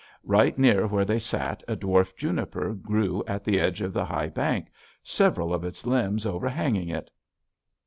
Right near where they sat a dwarf juniper grew at the edge of the high bank, several of its limbs overhanging it.